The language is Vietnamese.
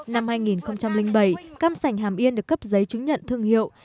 năm hai nghìn bảy cam sành hàm yên được cấp giấy chứng nhận thương hiệu